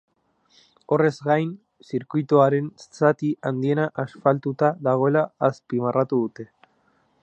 Horrez gain, zirkuitoaren zati handiena asfaltatuta dagoela azpimarratu dute.